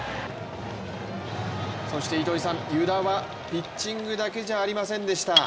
そして、湯田はピッチングだけではありませんでした。